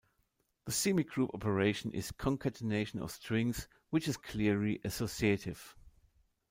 The semigroup operation is concatenation of strings, which is clearly associative.